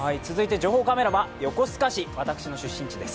情報カメラは横須賀市、私の出身地です。